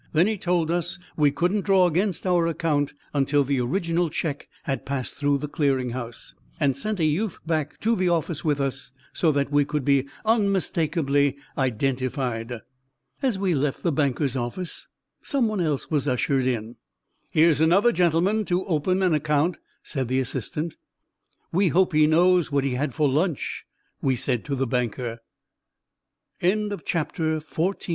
Then he told us we couldn't draw against our account until the original cheque had passed through the Clearing House, and sent a youth back to the office with us so that we could be unmistakably identified. As we left the banker's office someone else was ushered in. "Here's another gentleman to open an account," said the assistant. "We hope he knows what he had for lunch," we said to the banker. ON VISITING